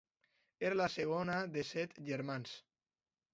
Era la segona de set germans.